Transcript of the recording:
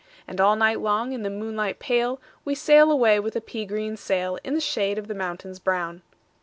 And all night long, in the moonlight pale, We sail away with a pea green sailIn the shade of the mountains brown."